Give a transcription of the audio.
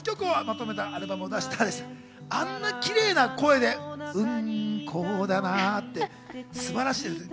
あんなキレイな声で、「うんこだな」って。素晴らしいですね。